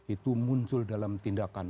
itu muncul dalam tindakan